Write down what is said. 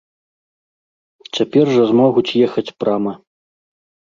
Цяпер жа змогуць ехаць прама.